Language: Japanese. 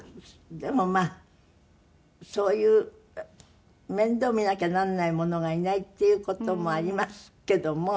でもまあそういう面倒を見なきゃならないものがいないっていう事もありますけども。